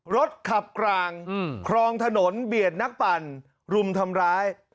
รถขับกลางคลองถนนเบียดนักปั่นรุมทำร้าย